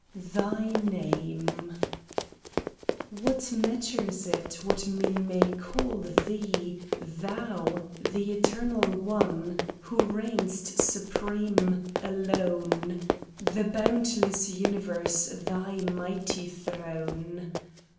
THY NAME What matters it what men may call Thee, Thou, The Eternal One, who reign'st supreme, alone, The boundless universe Thy mighty throne